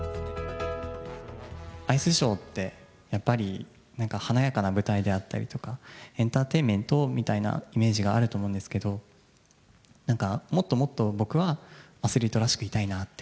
アイスショーって、やっぱりなんか華やかな舞台であったりとか、エンターテインメントみたいなイメージがあると思うんですけど、もっともっと僕はアスリートらしくいたいなって。